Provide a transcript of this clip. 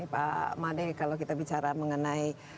pak made kalau kita bicara mengenai